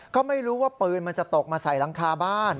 ก็ไม่รู้ว่าปืนมันจะตกมาใส่หลังคาบ้าน